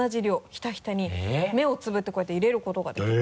ひたひたに目をつぶってこうやって入れることができる。